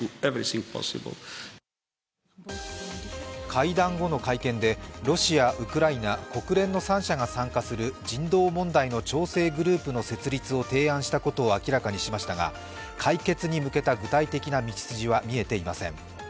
会談後の会見で、ロシア、ウクライナ、国連の３者が参加する人道問題の調整グループの設立を提案したことを明らかにしましたが解決に向けた具体的な道筋は見えていません。